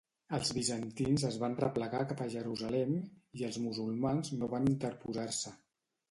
Els bizantins es van replegar cap a Jerusalem, i els musulmans no van interposar-se.